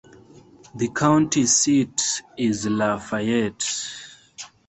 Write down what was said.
The county seat is LaFayette.